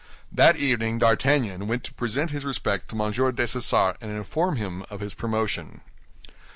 That evening D'Artagnan went to present his respects to M. Dessessart, and inform him of his promotion.